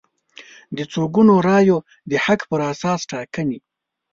د څو ګونو رایو د حق پر اساس ټاکنې